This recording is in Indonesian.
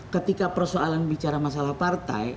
ketika persoalan bicara masalah partai